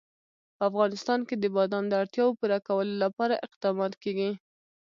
په افغانستان کې د بادام د اړتیاوو پوره کولو لپاره اقدامات کېږي.